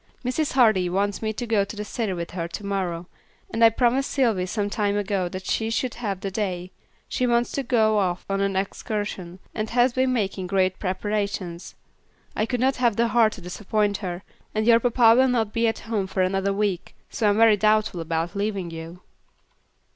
Mrs. Hardy wants me to go to the city with her to morrow, and I promised Sylvy some time ago that she should have the day; she wants to go off on an excursion, and has been making great preparations. I could not have the heart to disappoint her, and your papa will not be at home for another week, so I am very doubtful about leaving you."